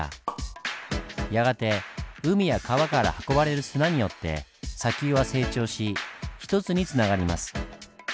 やがて海や川から運ばれる砂によって砂丘は成長し１つにつながります。